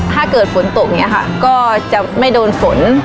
ถ้าเกิดฝนตกก็จะไม่โดนฝน